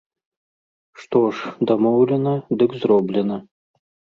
Што ж, дамоўлена, дык зроблена.